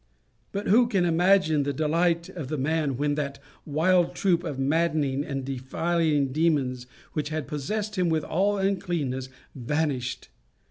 But who can imagine the delight of the man when that wild troop of maddening and defiling demons, which had possessed him with all uncleanness, vanished!